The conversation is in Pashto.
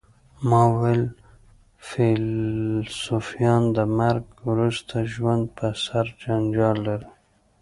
ما وویل فیلسوفان د مرګ وروسته ژوند په سر جنجال لري